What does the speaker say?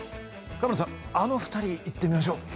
カメラさんあの２人行ってみましょう。